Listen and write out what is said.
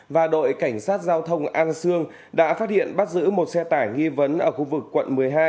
và đội cảnh sát giao thông an sương đã phát hiện bắt giữ một xe tải nghi vấn ở khu vực quận một mươi hai